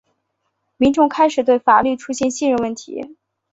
民众开始对法律出现信任问题。